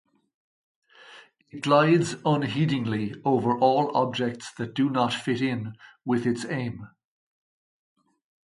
It glides unheedingly over all objects that do not fit in with its aim.